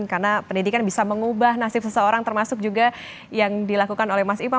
karena pendidikan bisa mengubah nasib seseorang termasuk juga yang dilakukan oleh mas imam